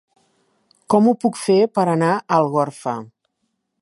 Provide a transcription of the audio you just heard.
Com ho puc fer per anar a Algorfa?